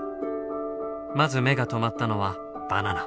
まず目が留まったのはバナナ。